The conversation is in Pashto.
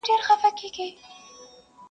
ښه ډاډه دي نه یې ډار سته له پیشیانو,